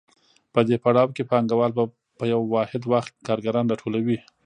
په دې پړاو کې پانګوال په یو واحد وخت کارګران راټولوي